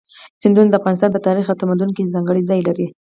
سیندونه د افغانستان په تاریخ او تمدن کې ځانګړی ځای لري.